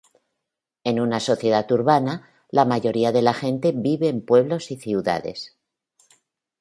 En una sociedad urbana, la mayoría de la gente vive en pueblos y ciudades.